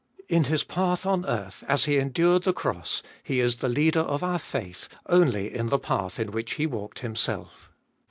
In His path on earth, as He endured the cross, He is the Leader of our faith, only in the path in which he walked Himself.